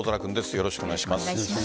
よろしくお願いします。